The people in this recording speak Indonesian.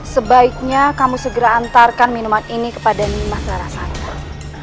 sebaiknya kamu segera antarkan minuman ini kepada nima secara santan